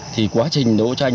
thì quá trình đấu tranh